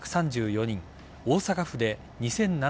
大阪府で２７０７人